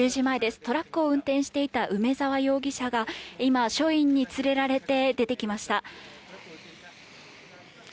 トラックを運転していた梅沢容疑者が今、署員に連れられて出てきました。